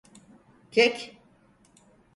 Kek…